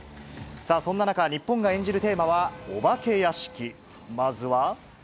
さあ、そんな中、日本が演じるテーマはお化け屋敷。